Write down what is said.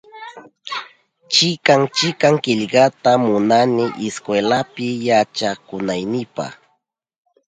Chikan chikan killkata munani iskwelapi yaykunaynipa